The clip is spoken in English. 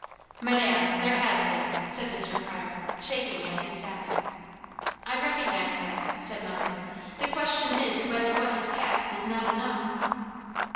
"Madame, there has been!" said Mr. Pryor, shaking as he sat. "I recognize that," said mother. "The question is whether what has passed is not enough."